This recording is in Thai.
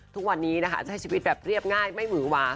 ทุกวันนี้นะคะใช้ชีวิตแบบเรียบง่ายไม่หือหวา